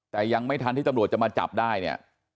แต่ยังไม่ทันที่ตำรวจจะมาจับได้เนี่ย